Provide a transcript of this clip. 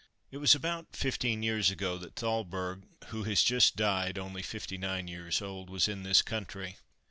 It was about fifteen years ago that Thalberg, who has just died only fifty nine years old, was in this country.